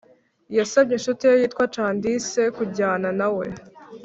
yasabye inshuti ye yitwa Candice kujyana nawe